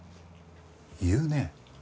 言うね。